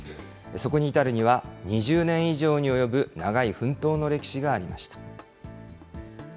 そこに至るには２０年以上に及ぶ長い奮闘の歴史がありました。